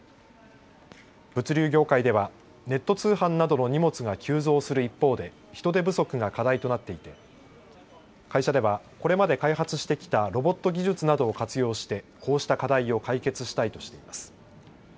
物流業界ではネット通販などの荷物が急増する一方で人手不足が課題となっていて会社ではこれまで開発してきたロボット技術などを活用してこうした課題を解決したいとしています。